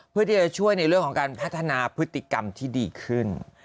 เพื่อที่จะช่วยในเรื่องของการพัฒนาพฤติกรรมที่ดีขึ้น